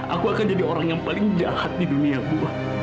aku akan jadi orang yang paling jahat di dunia gue